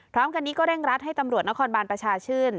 พร้อมกันนี้ก็เร่งรัดให้ตำรวจนครบานประชาชื่น